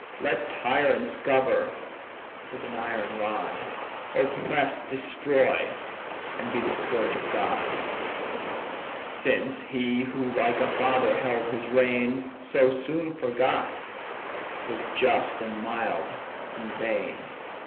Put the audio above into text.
Let tyrants govern with an iron rod, Oppress, destroy, and be the scourge of God; Since he who like a father held his reign, So soon forgot, was just and mild in vain!